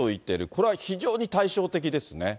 これは非常に対照的ですね。